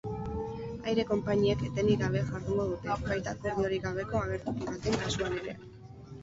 Aire-konpainiek etenik gabe jardungo dute, baita akordiorik gabeko agertoki baten kasuan ere.